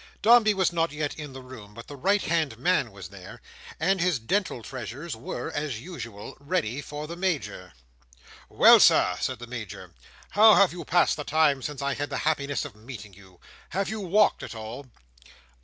Dombey was not yet in the room, but the right hand man was there, and his dental treasures were, as usual, ready for the Major. "Well, Sir!" said the Major. "How have you passed the time since I had the happiness of meeting you? Have you walked at all?"